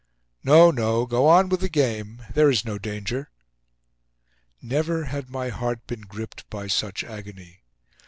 "No, no. Go on with the game. There is no danger." Never had my heart been gripped by such agony.